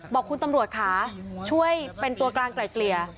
บอกคุณตำรวจค่ะช่วยเป็นตัวกลางไกล่เกลี่ย